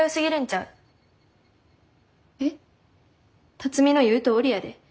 辰美の言うとおりやで。